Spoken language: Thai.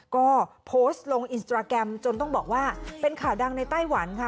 ก็โพสต์ลงอินสตราแกรมจนต้องบอกว่าเป็นข่าวดังในไต้หวันค่ะ